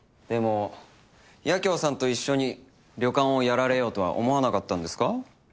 でも八京さんと一緒に旅館をやられようとは思わなかったんですか？